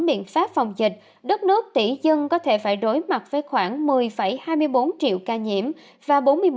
biện pháp phòng dịch đất nước tỷ dân có thể phải đối mặt với khoảng một mươi hai mươi bốn triệu ca nhiễm và